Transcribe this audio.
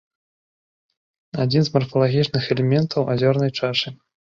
Адзін з марфалагічных элементаў азёрнай чашы.